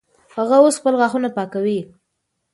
هغه اوس خپل غاښونه پاکوي.